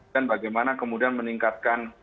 dan bagaimana kemudian meningkatkan